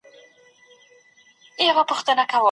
پخواني قاضیان د ډیپلوماټیک پاسپورټ اخیستلو حق نه لري.